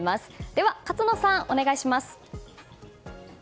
では勝野さん、お願いします。